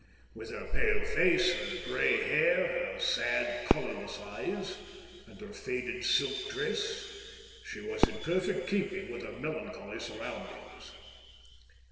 With her pale face, her grey hair, her sad, colourless eyes, and her faded silk dress, she was in perfect keeping with her melancholy surroundings.